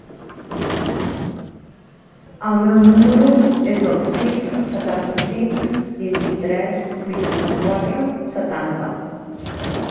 El meu número es el sis, setanta-cinc, vint-i-tres, vuitanta-quatre, setanta.